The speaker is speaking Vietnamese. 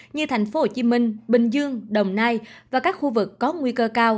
như thành phố hồ chí minh bình dương đồng nai và các khu vực có nguy cơ cao